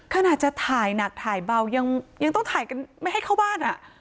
ขนาดจะถ่ายหนักถ่ายเบายังต้องถ่ายกันไม่ให้เข้าบ้านอ่ะ